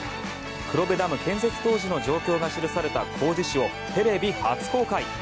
黒部ダム建設の当時の状況が記された工事誌をテレビ初公開。